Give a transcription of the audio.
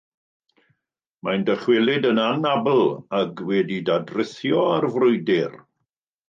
Mae'n dychwelyd yn anabl ac wedi dadrithio â'r frwydr.